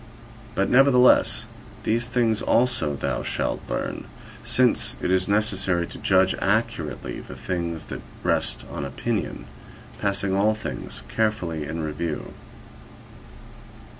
But nevertheless these things also thou shalt learn, since it is necessary to judge accurately the things that rest on opinion, passing all things carefully in review.